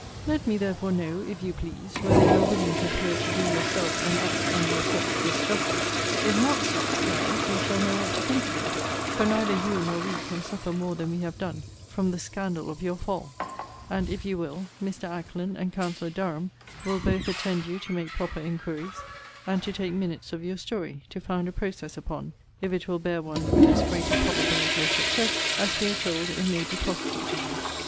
Let me, therefore, know (if you please) whether you are willing to appear to do yourself, and us, and your sex, this justice? If not, sister Clary, we shall know what to think of you; for neither you nor we can suffer more than we have done from the scandal of your fall: and, if you will, Mr. Ackland and counselor Derham will both attend you to make proper inquiries, and to take minutes of your story, to found a process upon, if it will bear one with as great a probability of success as we are told it may be prosecuted with.